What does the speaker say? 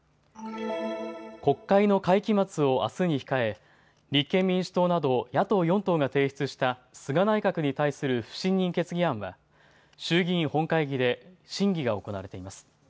国会の会期末をあすに控え立憲民主党など野党４党が提出した菅内閣に対する不信任決議案は衆議院本会議で審議が行われています。